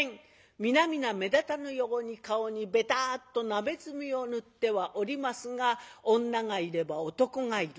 皆々目立たぬように顔にべたっと鍋墨を塗ってはおりますが女がいれば男がいる。